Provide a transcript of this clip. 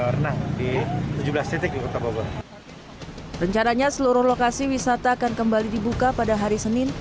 renang di tujuh belas titik di kota bogor rencananya seluruh lokasi wisata akan kembali dibuka pada hari senin